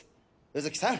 卯月さん